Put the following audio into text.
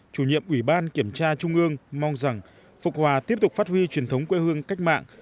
chủ nhiệm ủy ban kiểm tra trung ương mong rằng phục hòa tiếp tục phát huy truyền thống quê hương cách mạng